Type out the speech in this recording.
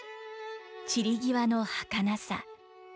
散り際のはかなさ。